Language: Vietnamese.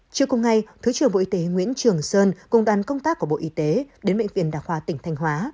trước cùng ngày thứ trưởng bộ y tế nguyễn trường sơn cùng đoàn công tác của bộ y tế đến bệnh viện đa khoa tỉnh thanh hóa